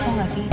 des tau gak sih